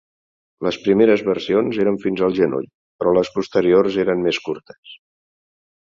Les primeres versions eren fins al genoll però les posteriors eren més curtes.